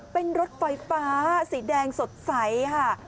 เป็นรถไฟฟ้าสีแดงสดใสค่ะ